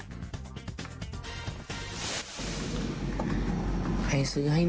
เธอไม่ใช่กู